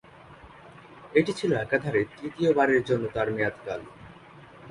এটি ছিল একাধারে তৃতীয়বারের জন্য তার মেয়াদকাল।